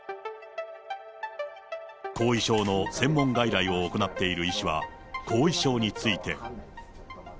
後遺症の専門外来を行っている医師は、後遺症について。